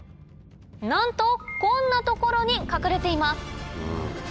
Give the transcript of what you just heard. なんとこんな所に隠れています